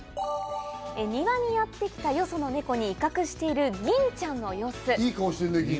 庭にやってきた、よその猫を威嚇している銀ちゃんの様子。